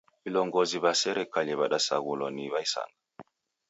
Vilongozi wa sirikali w'adasaghulwa na w'aisanga